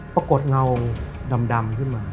ปรากฏเงาดำขึ้นมา